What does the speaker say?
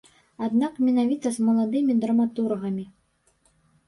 Аднак менавіта з маладымі драматургамі.